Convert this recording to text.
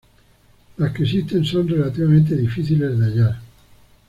Las que existen son relativamente difíciles de hallar.